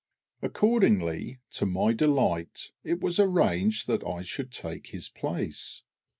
Accordingly, to my great delight, it was arranged that I should take his place.